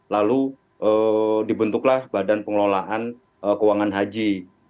lalu dibentuklah badan pengelolaan keuangan haji